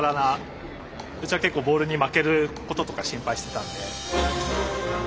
うちは結構ボールに負けることとか心配してたんで。